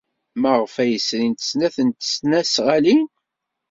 Maɣef ay srint snat n tesnasɣalin?